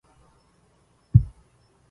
استقبل المهرجان بالفرح